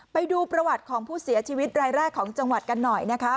ไปดูประวัติของผู้เสียชีวิตรายแรกของจังหวัดกันหน่อยนะคะ